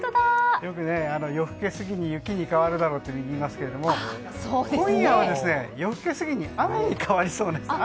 よく「夜更け過ぎに雪に変わるだろう」っていいますが今夜は夜更け過ぎに雨に変わりそうです。